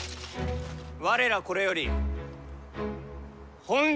我らこれより本領